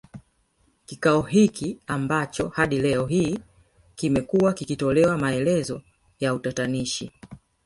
Kikao hiki ambacho hadi leo hii kimekuwa kikitolewa maelezo ya utatanishi